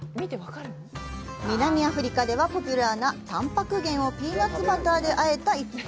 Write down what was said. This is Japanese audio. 南アフリカではポピュラーなたんぱく源をピーナツバターであえた一品。